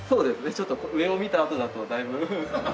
ちょっと上を見たあとだとだいぶ。